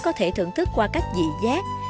có thể thưởng thức qua cách dị giác